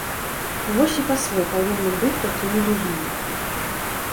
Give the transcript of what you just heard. Вось і паслы павінны быць такімі людзьмі.